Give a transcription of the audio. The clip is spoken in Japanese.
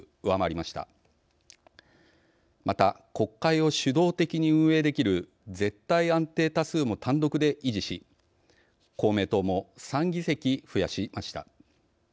また国会を主導的に運営できる絶対安定多数も単独で維持し公明党も３議席増やしました。